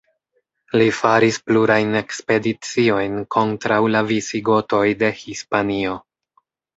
Li faris plurajn ekspediciojn kontraŭ la Visigotoj de Hispanio.